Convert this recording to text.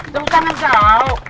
tepuk tangan cow